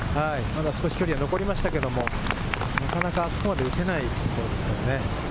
少し距離は残りましたけれども、なかなか、あそこまで打てないですからね。